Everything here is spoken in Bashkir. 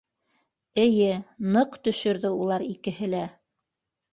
Эйе, ныҡ төшөрҙө улар икеһе лә.